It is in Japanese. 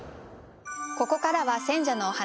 ここからは選者のお話。